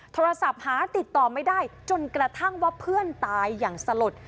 โทรศัพท์หาติดต่อไม่ได้จนกระทั่งว่าเพื่อนตายอย่างสลด